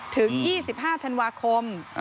ถึง๒๕ธันวาคม